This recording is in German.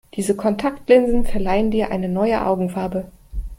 Diese Kontaktlinsen verleihen dir eine neue Augenfarbe.